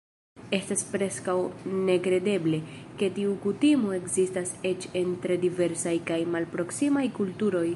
Estas preskaŭ nekredeble, ke tiu kutimo ekzistas eĉ en tre diversaj kaj malproksimaj kulturoj.